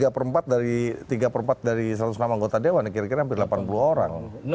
tiga per empat dari satu ratus enam anggota dewan kira kira hampir delapan puluh orang